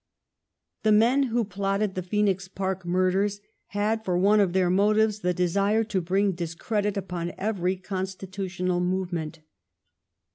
The men who plotted the Phcenix Park mur ders had for one of their motives the desire to bring discredit upon every constitutional move ment.